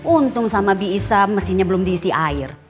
untung sama bi issa mesinnya belum diisi air